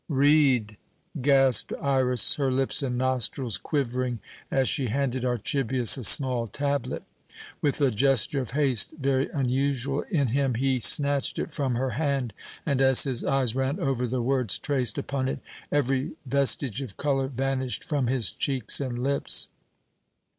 "Read!" gasped Iras, her lips and nostrils quivering as she handed Archibius a small tablet. With a gesture of haste very unusual in him, he snatched it from her hand and, as his eyes ran over the words traced upon it, every vestige of colour vanished from his cheeks and lips.